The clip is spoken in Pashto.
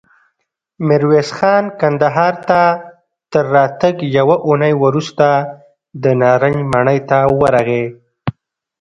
ميرويس خان کندهار ته تر راتګ يوه اوونۍ وروسته د نارنج ماڼۍ ته ورغی.